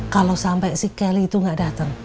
kalo sampe si kelly itu gak dateng